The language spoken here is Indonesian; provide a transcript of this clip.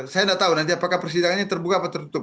saya tidak tahu nanti apakah persidangannya terbuka atau tertutup